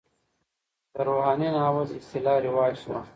د روحاني ناول اصطلاح رواج شوه.